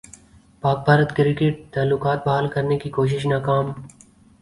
پاک بھارت کرکٹ تعلقات بحال کرنے کی کوشش ناکام